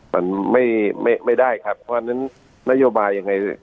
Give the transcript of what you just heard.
มันไม่ได้ครับเพราะฉะนั้นนโยบายยังไง